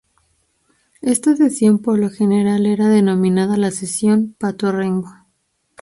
Esta sesión por lo general era denominada la "sesión pato rengo".